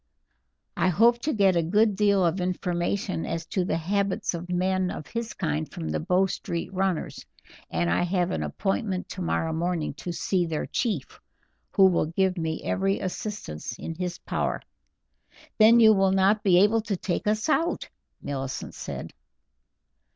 I hope to get a good deal of information as to the habits of men of his kind from the Bow Street runners, and I have an appointment tomorrow morning to see their chief, who will give me every assistance in his power." "Then you will not be able to take us out?" Millicent said.